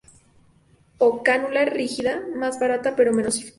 O cánula rígida, más barata pero menos eficaz.